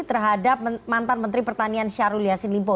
terhadap mantan menteri pertanian syarulilasin limpo